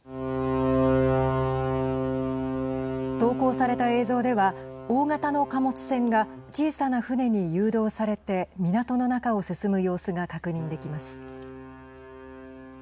投稿された映像では大型の貨物船が小さな船に誘導されて港の中を進む様子が確認できます。